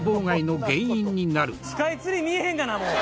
スカイツリー見えへんがなもう。